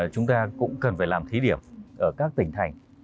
chúng ta cũng cần phải làm thí điểm ở các tỉnh thành